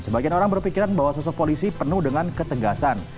sebagian orang berpikiran bahwa sosok polisi penuh dengan ketegasan